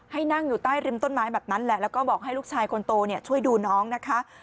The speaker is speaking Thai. ให้นั่งอยู่ใต้ริมต้นไม้แบบนั้นแหละแล้วก็บอกให้ลูกชายคนโตช่วยดูน้องนะคะ